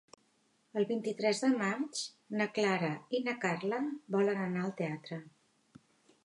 El vint-i-tres de maig na Clara i na Carla volen anar al teatre.